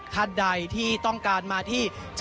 ท่านใดที่ต้องการมาที่